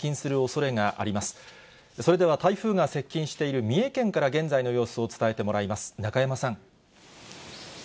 それでは台風が接近している三重県から現在の様子を伝えてもらいます。